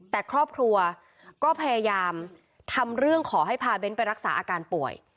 แต่ครอบครัวก็พยายามทำเรื่องขอให้พาเบ้นไปรักษาอาการป่วย